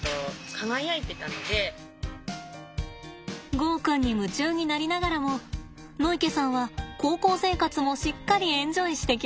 ゴーくんに夢中になりながらも野池さんは高校生活もしっかりエンジョイしてきました。